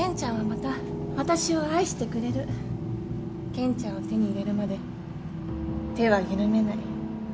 健ちゃんを手に入れるまで手は緩めない。